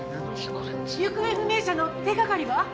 行方不明者の手がかりは？